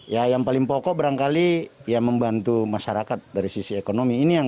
ya yang paling pokok barangkali ya membantu masyarakat dari sisi ekonomi